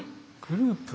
グループ？